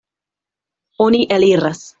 Oni eliras.